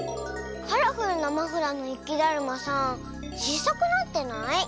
カラフルなマフラーのゆきだるまさんちいさくなってない？